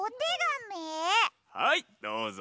はいどうぞ！